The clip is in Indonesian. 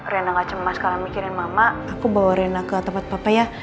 rena gak cemas karena mikirin mama aku bawa rena ke tempat papa ya